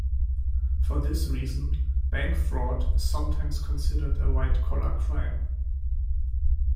For this reason, bank fraud is sometimes considered a white-collar crime.